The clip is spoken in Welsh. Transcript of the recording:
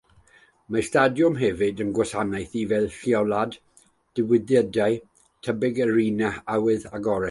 Mae'r stadiwm hefyd yn gwasanaethu fel lleoliad digwyddiadau tebyg i arena awyr agored.